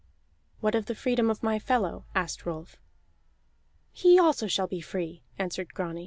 "What of the freedom of my fellow?" asked Rolf. "He also shall be free," answered Grani.